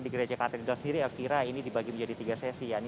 di gereja katedral sendiri elvira ini dibagi menjadi tiga sesi